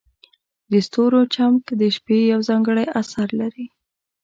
د ستورو چمک د شپې یو ځانګړی اثر لري.